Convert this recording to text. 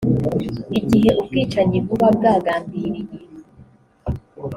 igihe ubwicanyi buba bwagambiriye